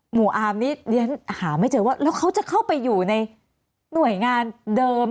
อามนี่เรียนหาไม่เจอว่าแล้วเขาจะเข้าไปอยู่ในหน่วยงานเดิม